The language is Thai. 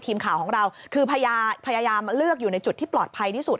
ทีมข่าวของเราคือพยายามเลือกอยู่ในจุดที่ปลอดภัยที่สุด